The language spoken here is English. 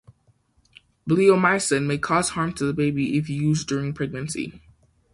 Bleomycin may cause harm to the baby if used during pregnancy.